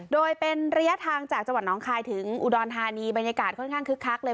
โดยเป็นระยะทางจากจังหวัดน้องคายถึงอุดรธานีบรรยากาศค่อนข้างคึกคักเลย